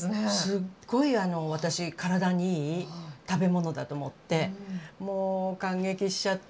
すっごい私体にいい食べ物だと思ってもう感激しちゃって。